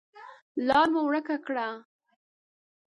لار مو ورکه کړه .